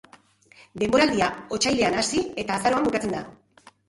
Denboraldia otsailean hasi eta azaroan bukatzen da.